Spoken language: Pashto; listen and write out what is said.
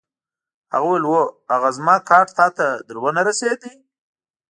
هغه وویل: هو، هغه زما کارډ تا ته در ونه رسید؟